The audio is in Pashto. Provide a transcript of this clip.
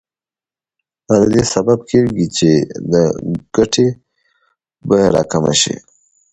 دا د دې سبب کېږي چې د ګټې بیه راکمه شي